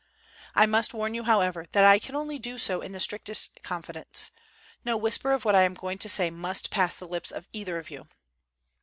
I must warn you, however, that I can only do so in the strictest confidence. No whisper of what I am going to say must pass the lips of either of you."